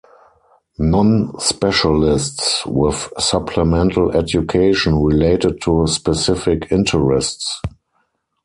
Non-specialists with supplemental education related to specific interests.